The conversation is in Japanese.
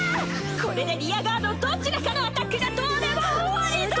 これでリアガードどちらかのアタック終わりだ！